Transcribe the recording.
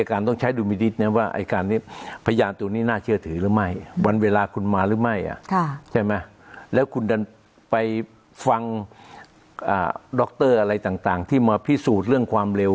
อ่าด็อกเตอร์อะไรต่างต่างที่มาพิสูจน์เรื่องความเร็ว